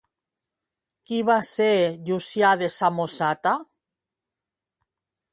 Qui va ser Llucià de Samòsata?